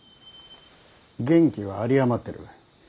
元気は有り余ってる。